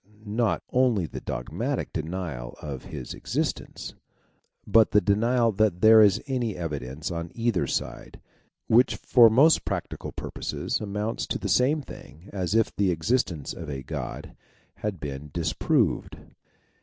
not only the dogmatic denial of his existence, but the denial that there is any evidence on either side, which for most practical purposes amounts to the same thing as if the existence of a God had been disproved.